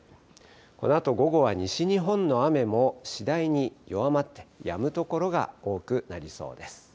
このあと午後は、西日本の雨も次第に弱まってやむ所が多くなりそうです。